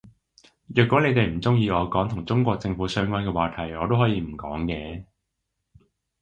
若果你哋唔鍾意我講同中國政府相關嘅話題我都可以唔講嘅